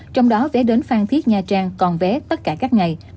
trong đó vé đến phan thiết nha trang còn vé tất cả các ngày